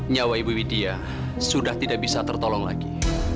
nyawa ibu widya sudah tidak bisa tertolong lagi